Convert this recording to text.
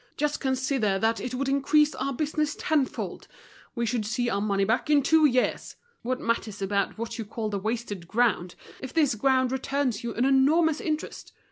Just consider that it would increase our business tenfold! We should see our money back in two years. What matters about what you call the wasted ground, if this ground returns you an enormous interest!